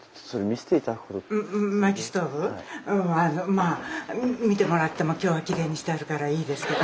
まあ見てもらっても今日はきれいにしてあるからいいですけど。